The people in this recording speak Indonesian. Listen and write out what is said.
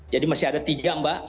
jadi masih ada tiga mbak